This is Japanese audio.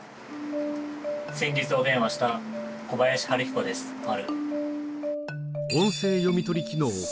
先日お電話した小林春彦です丸。